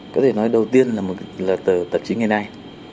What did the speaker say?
có thể nói đầu tiên là tờ tạp chí ngày nay